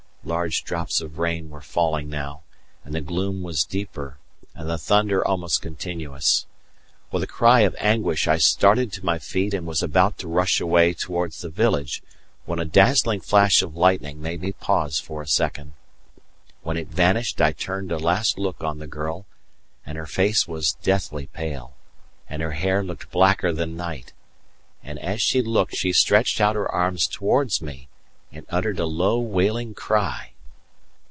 Large drops of rain were falling now, and the gloom was deeper, and the thunder almost continuous. With a cry of anguish I started to my feet and was about to rush away towards the village when a dazzling flash of lightning made me pause for a moment. When it vanished I turned a last look on the girl, and her face was deathly pale, and her hair looked blacker than night; and as she looked she stretched out her arms towards me and uttered a low, wailing cry.